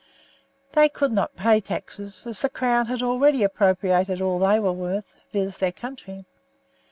They could not pay taxes, as the Crown had already appropriated all they were worth, viz., their country.